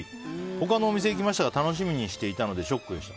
他のお店に行きましたが楽しみにしていたのでショックでした。